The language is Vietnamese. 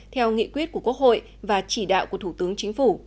theo nghị quyết của quốc hội và chỉ đạo của thủ tướng chính phủ